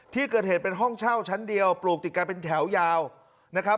ที่เกิดเหตุเป็นห้องเช่าชั้นเดียวปลูกติดกันเป็นแถวยาวนะครับ